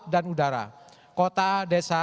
dan udara kota desa